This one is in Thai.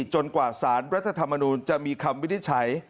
จนกว่าสารรัฐธรรมนูลจะมีคำวินิจฉัย